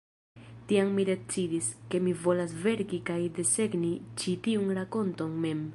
Tiam mi decidis, ke mi volas verki kaj desegni ĉi tiun rakonton mem.